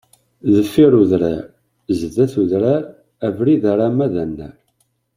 Deffir udrar, zdat udrar, abrid arama d anar.